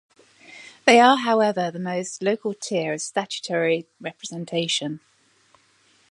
They are however the most local tier of statutory representation.